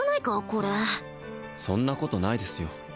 これそんなことないですよ